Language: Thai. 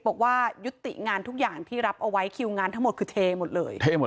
บอกว่ายุติงานทุกอย่างที่รับเอาไว้คิวงานทั้งหมดคือเทหมดเลยเทหมด